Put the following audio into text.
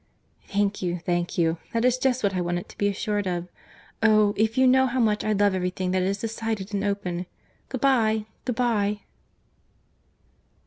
"Thank you, thank you.—This is just what I wanted to be assured of.—Oh! if you knew how much I love every thing that is decided and open!—Good bye, good bye."